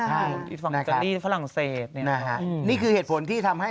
ใช่ที่ฟังอิตาลีฝรั่งเศสเนี่ยนะฮะนี่คือเหตุผลที่ทำให้